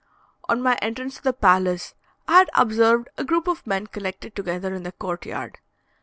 On my entrance to the palace, I had observed a group of men collected together in the court yard.